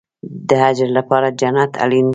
د اجر لپاره جنت اړین دی